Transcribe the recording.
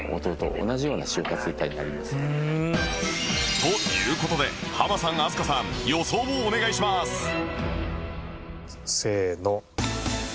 という事でハマさん飛鳥さん予想をお願いしますせーの。